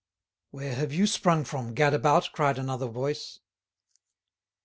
"Where have you sprung from, gadabout?" cried another voice.